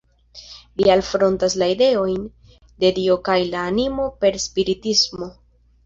Li alfrontas la ideojn de Dio kaj la animo per spiritismo.